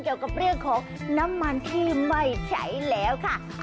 เกี่ยวกับเรื่องของน้ำมันที่ไม่ใช้แล้วค่ะ